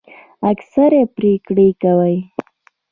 اکثریت پریکړه کوي